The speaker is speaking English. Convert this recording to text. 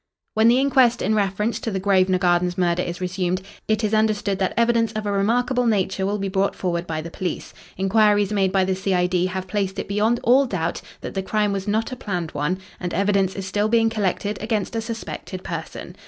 "When the inquest in reference to the Grosvenor Gardens murder is resumed it is understood that evidence of a remarkable nature will be brought forward by the police. Inquiries made by the C.I.D. have placed it beyond all doubt that the crime was not a planned one, and evidence is still being collected against a suspected person.